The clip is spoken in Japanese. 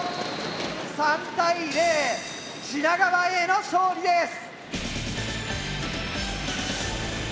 ３対０品川Ａの勝利です！